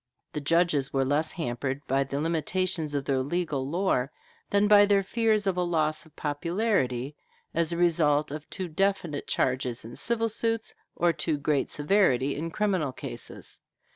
The judges were less hampered by the limitations of their legal lore than by their fears of a loss of popularity as a result of too definite charges in civil suits, or too great severity in criminal cases.